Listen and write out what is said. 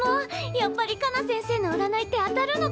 やっぱりカナ先生のうらないって当たるのかな？